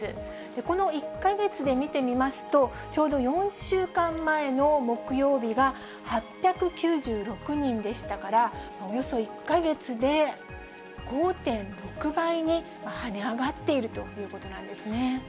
この１か月で見てみますと、ちょうど４週間前の木曜日が８９６人でしたから、およそ１か月で５．６倍にはね上がっているということなんですね。